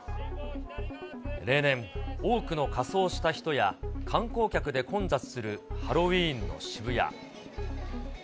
例年、多くの仮装した人や、観光客で混雑するハロウィーンの渋谷。